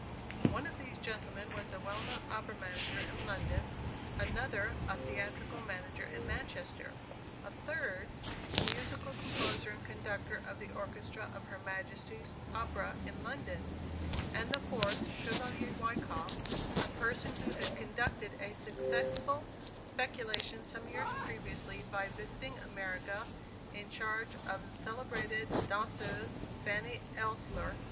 One of these gentlemen was a well known opera manager in London; another, a theatrical manager in Manchester; a third, a musical composer and conductor of the orchestra of Her Majesty's Opera in London; and the fourth, Chevalier Wyckoff, a person who had conducted a successful speculation some years previously by visiting America in charge of the celebrated danseuse, Fanny Ellsler.